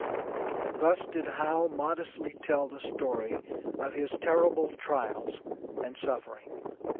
Thus did Howe modestly tell the story of his terrible trials and suffering.